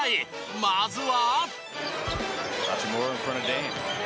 まずは。